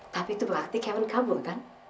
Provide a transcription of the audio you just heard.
tapi itu berarti kevin kabur kan